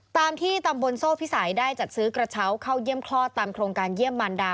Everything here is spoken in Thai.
ตามที่ตำบลโซ่พิสัยได้จัดซื้อกระเช้าเข้าเยี่ยมคลอดตามโครงการเยี่ยมมันดา